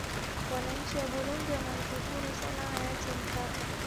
wananchi wa burundi wanamshukuru sana hayati mkapa